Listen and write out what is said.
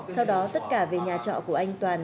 sau đó tất cả về nhà trọ của anh toàn